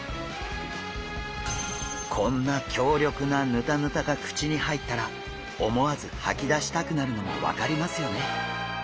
こんな強力なヌタヌタが口に入ったら思わず吐き出したくなるのも分かりますよね。